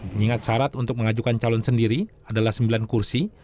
mengingat syarat untuk mengajukan calon sendiri adalah sembilan kursi